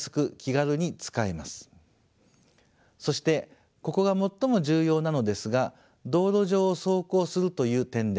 そしてここが最も重要なのですが道路上を走行するという点です。